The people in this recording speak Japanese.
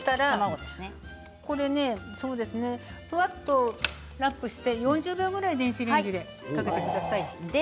ふわっとラップして４０秒ぐらい電子レンジにかけてください。